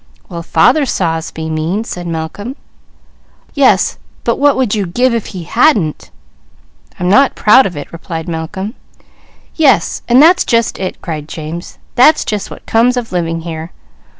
"Well father saw us be mean," said Malcolm. "Yes, but what would you give if he hadn't?" "I'm not proud of it," replied Malcolm. "Yes and that's just it!" cried James. "That's just what comes of living here.